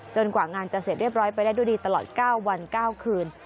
กว่างานจะเสร็จเรียบร้อยไปได้ด้วยดีตลอด๙วัน๙คืน